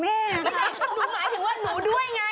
ไม่ใช่หมายถึงว่าหนูด้วยไง